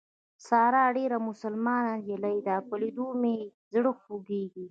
ساره ډېره مسلمان نجلۍ ده په لیدو مې یې زړه خوږېږي.